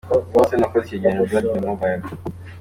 Puoulsen wakoze icyegeranyo'Blood in the mobile'.